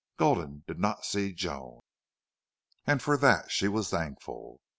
Gulden did not see Joan, and for that she was thankful.